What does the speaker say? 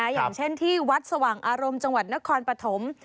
อย่างเช่นที่วัดสว่างอารมณ์จังหวัดนครปฐม